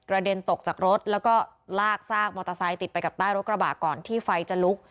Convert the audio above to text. เด็นตกจากรถแล้วก็ลากซากมอเตอร์ไซค์ติดไปกับใต้รถกระบะก่อนที่ไฟจะลุก